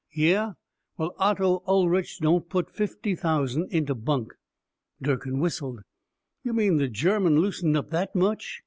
"Yeh? Well, Otto Ulrich don't put fifty thousand into bunk." Durkin whistled. "You mean the German loosened up that much?"